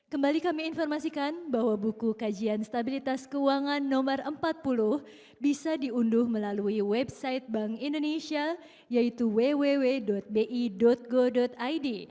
kembali kami informasikan bahwa buku kajian stabilitas keuangan nomor empat puluh bisa diunduh melalui website bank indonesia yaitu www bi go id